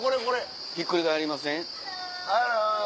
ひっくり返りません？